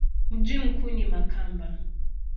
Mji mkuu ni Makamba.